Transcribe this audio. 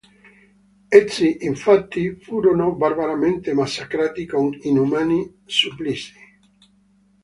Essi, infatti, furono barbaramente massacrati con inumani supplizi.